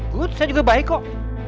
gun saya juga baik kok